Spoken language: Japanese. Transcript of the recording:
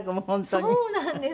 そうなんです！